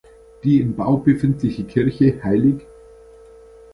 Die in Bau befindliche Kirche Hl.